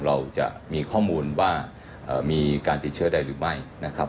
เราจะมีข้อมูลว่ามีการติดเชื้อใดหรือไม่นะครับ